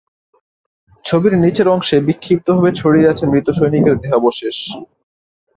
ছবির নিচের অংশে বিক্ষিপ্তভাবে ছড়িয়ে আছে মৃত সৈনিকের দেহাবশেষ।